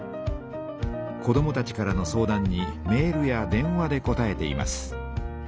子どもたちからの相談にメールや電話でこたえています。